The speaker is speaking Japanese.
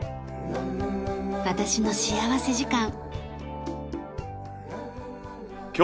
『私の幸福時間』。